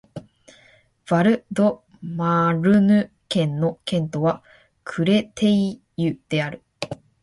ヴァル＝ド＝マルヌ県の県都はクレテイユである